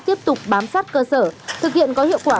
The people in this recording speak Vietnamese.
tiếp tục bám sát cơ sở thực hiện có hiệu quả